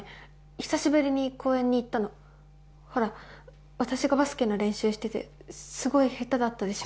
久しぶりに公園に行ったのほら私がバスケの練習しててすごい下手だったでしょ